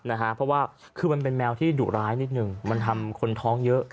นะฮะเพราะว่าคือมันเป็นแมวที่ดุร้ายนิดนึงมันทำคนท้องเยอะ